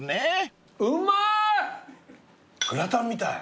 うまい！